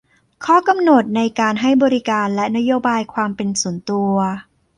ข้อกำหนดในการให้บริการและนโยบายความเป็นส่วนตัว